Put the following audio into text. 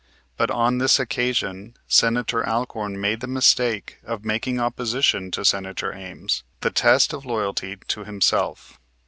But on this occasion Senator Alcorn made the mistake of making opposition to Senator Ames the test of loyalty to himself.